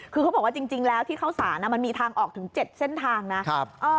คือเขาบอกว่าจริงแล้วที่เข้าสารมันมีทางออกถึง๗เส้นทางนะ